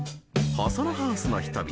「細野ハウスの人々」。